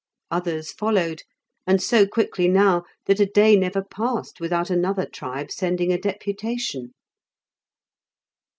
Others followed, and so quickly now that a day never passed without another tribe sending a deputation.